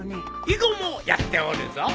囲碁もやっておるぞ。